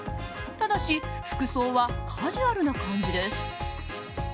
ただし服装はカジュアルな感じです。